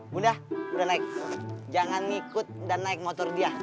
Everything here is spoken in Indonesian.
bunda udah naik jangan ngikut dan naik motor dia